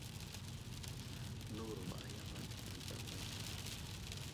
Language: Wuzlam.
Nəwuro a yam age ənta wal yo.